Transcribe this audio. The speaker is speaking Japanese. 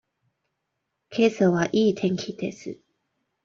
けさはいい天気です。